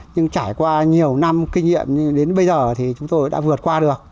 nhưng trải qua nhiều năm kinh nghiệm đến bây giờ thì chúng tôi đã vượt qua được